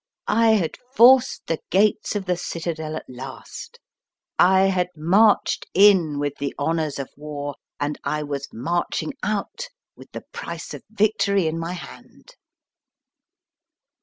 I had forced the gates of the citadel at last. I had marched in with the honours of war, and I was marching out with the price of victory in my hand.